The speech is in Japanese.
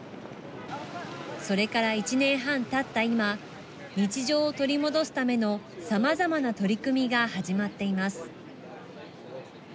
それから１年半たった今日常を取り戻すためのさまざまな取り組みが始まっています。